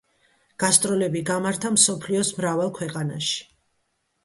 გასტროლები გამართა მსოფლიოს მრავალ ქვეყანაში.